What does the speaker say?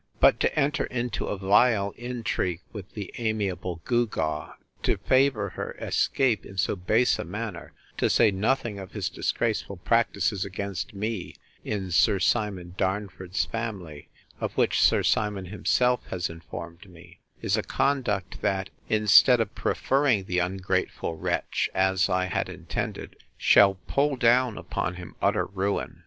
But to enter into a vile intrigue with the amiable gewgaw, to favour her escape in so base a manner, (to say nothing of his disgraceful practices against me, in Sir Simon Darnford's family, of which Sir Simon himself has informed me), is a conduct that, instead of preferring the ungrateful wretch, as I had intended, shall pull down upon him utter ruin.